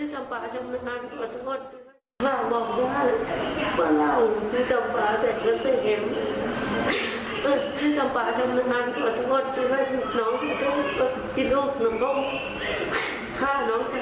อยากมาบอกว่าลูกไห้ก็ใจร้อง